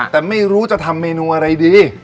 แต่ไม่รู้จะทำเมนูอะไรดี